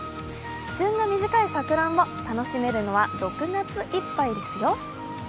旬が短いさくらんぼ楽しめるのは６月いっぱいですよ。